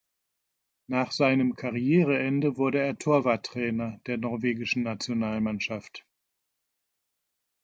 Nach seinem Karriereende wurde er Torwarttrainer der norwegischen Nationalmannschaft.